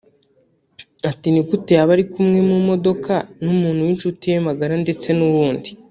Ati “Ni gute yaba yari kumwe mu modoka n’umuntu w’inshuti ye magara ndetse n’uwundi